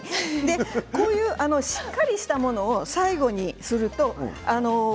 こういう、しっかりしたものを最後にすると。